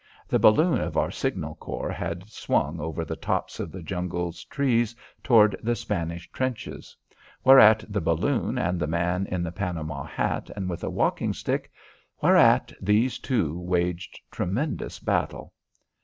The balloon of our signal corps had swung over the tops of the jungle's trees toward the Spanish trenches. Whereat the balloon and the man in the Panama hat and with a walking stick whereat these two waged tremendous battle.